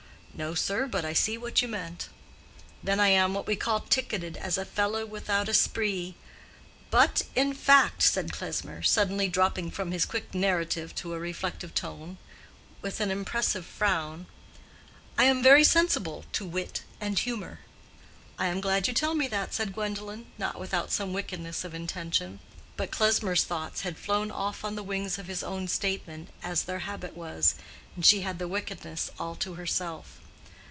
'No, sir, but I see what you meant.' Then I am what we call ticketed as a fellow without esprit. But, in fact," said Klesmer, suddenly dropping from his quick narrative to a reflective tone, with an impressive frown, "I am very sensible to wit and humor." "I am glad you tell me that," said Gwendolen, not without some wickedness of intention. But Klesmer's thoughts had flown off on the wings of his own statement, as their habit was, and she had the wickedness all to herself.